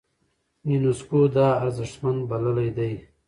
يونسکو دا ارزښتمن بللی دی.